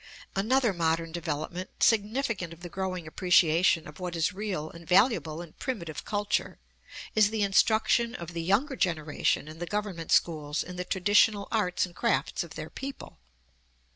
Another modern development, significant of the growing appreciation of what is real and valuable in primitive culture, is the instruction of the younger generation in the Government schools in the traditional arts and crafts of their people.